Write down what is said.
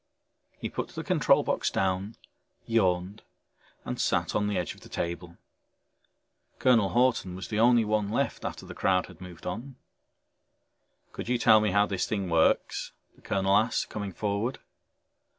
He put the control box down, yawned and sat on the edge of the table. Colonel Hawton was the only one left after the crowd had moved on. "Could you tell me how this thing works?" the colonel asked, coming forward.